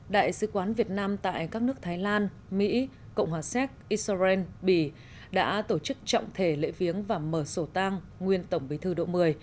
đại sứ quán việt nam tại các nước thái lan mỹ cộng hòa séc israel bỉ đã tổ chức trọng thể lễ viếng và mở sổ tang nguyên tổng bí thư độ một mươi